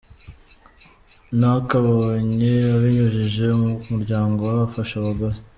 Nakabonye abinyujije mu muryango we afasha abagore.